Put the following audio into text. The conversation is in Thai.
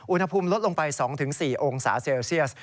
อุณหภูมิลดลงไป๒๔องศาเซลเซียส